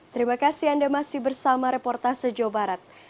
terima kasih anda masih bersama reportase jawa barat